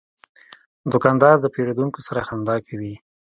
دوکاندار د پیرودونکو سره خندا کوي.